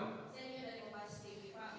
saya ingin dari kepas tv